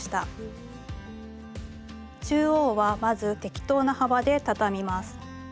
中央はまず適当な幅で畳みます。